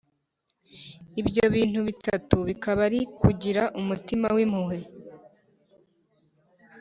ibyo bintu bitatu bikaba ari kugira umutima w’impuhwe